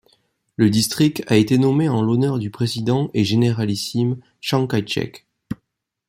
Le district a été nommé en l'honneur du président et généralissime Tchang Kaï-chek.